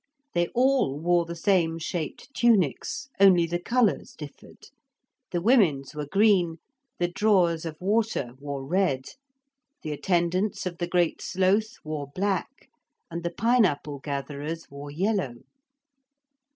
They all wore the same shaped tunics, only the colours differed. The women's were green, the drawers of water wore red, the attendants of the Great Sloth wore black, and the pine apple gatherers wore yellow.